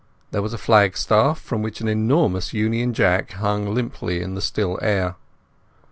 There was a flagstaff from which an enormous Union Jack hung limply in the still air.